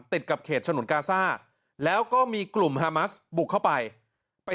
ติดกับเขตฉนวนกาซ่าแล้วก็มีกลุ่มฮามัสบุกเข้าไปไป